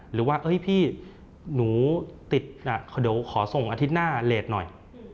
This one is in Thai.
หรือว่าพี่หนูติดเดี๋ยวขอส่งอาทิตย์หน้าเลสหน่อย